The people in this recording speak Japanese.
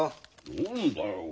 何だよ。